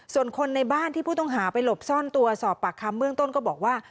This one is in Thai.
ส่วนคนในบ้านที่ผู้ต้องหาไปหลบซ่อนตัวสอบปากคำเบื้องต้นก็บอกว่า